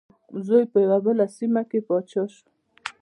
زوی په یوه بله سیمه کې پاچا شو.